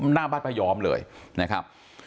หน้าบ้านป้ายอมเลยนะครับ